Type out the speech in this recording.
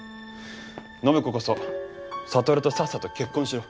暢子こそ智とさっさと結婚しろ。